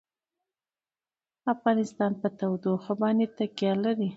افغانستان په تودوخه باندې تکیه لري.